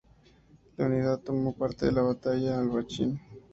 La unidad tomó parte en la batalla de Albarracín.